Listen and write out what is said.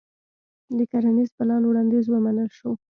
د کرنيز پلان وړانديز ومنل شو.